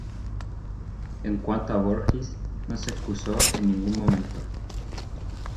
En cuanto a Voorhees no se excusó en ningún momento.